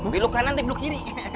biluk kanan tipe kiri